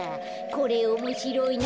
これおもしろいな。